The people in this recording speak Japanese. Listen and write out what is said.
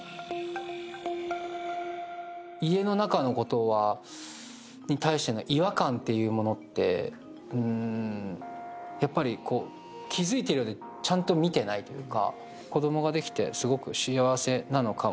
家の中のことに対しての違和感っていうものって、やっぱり気付いているちゃんと見てないとか。